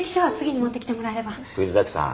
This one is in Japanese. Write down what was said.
藤崎さん。